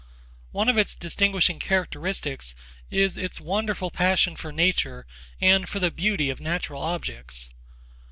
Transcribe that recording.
One of its distinguishing characteristics is its wonderful passion for nature and for the beauty of natural objects.